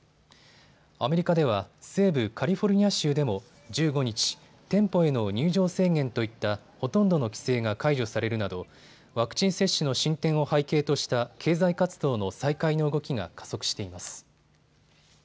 アメリカでは西部カリフォルニア州でも１５日、店舗への入場制限といったほとんどの規制が解除されるなどワクチン接種の進展を背景とした経済活動の再開の動きが加速しています。